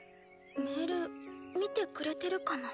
メール見てくれてるかな？